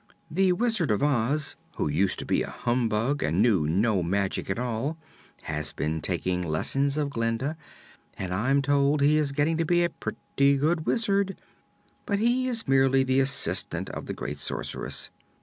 The Wizard of Oz, who used to be a humbug and knew no magic at all, has been taking lessons of Glinda, and I'm told he is getting to be a pretty good Wizard; but he is merely the assistant of the great Sorceress.